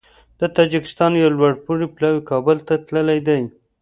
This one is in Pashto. د تاجکستان یو لوړپوړی پلاوی کابل ته تللی دی